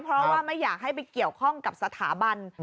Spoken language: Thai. เพราะว่าไม่อยากให้ไปเกี่ยวข้องกับสถาบัน